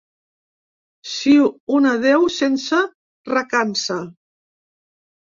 Sí, un adéu sense recança.